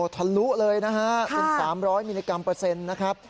ทะลุเลยนะฮะเป็น๓๐๐มิลลิกรัมเปอร์เซ็นต์นะครับ